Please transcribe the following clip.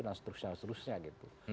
dan seterusnya seterusnya gitu